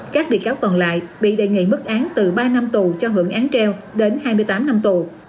các bị cáo còn lại bị đề nghị mức án từ ba năm tù cho hưởng án treo đến hai mươi tám năm tù